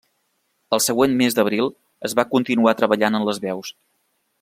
El següent mes d'abril es va continuar treballant en les veus.